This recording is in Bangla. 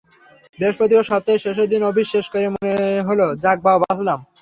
বৃহস্পতিবার সপ্তাহের শেষের দিন অফিস শেষ করে মনে হলো, যাক বাবা, বাঁচলাম।